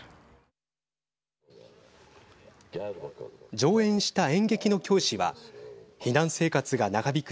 上演した演劇の教師は避難生活が長引く